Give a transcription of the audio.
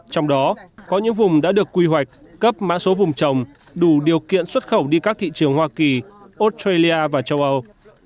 trong đó có những vùng đã được quy hoạch cấp mã số vùng trồng đủ điều kiện xuất khẩu đi các thị trường hoa kỳ australia và châu âu